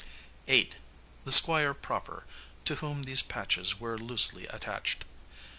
8. The Squire proper, to whom these patches were loosely attached.